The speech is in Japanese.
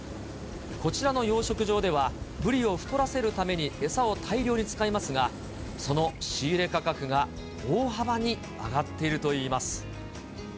こちらの養殖場では、ブリを太らせるために餌を大量に使いますが、その仕入れ価格が大幅に上がっているといいます。